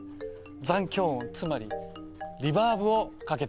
残響音つまり「リバーブ」をかけたんです。